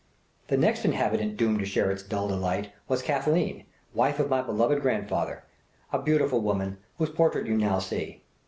"The next inhabitant doomed to share in its dull delight was Kathleen, wife of my beloved grandfather, a beautiful woman, whose portrait you now see.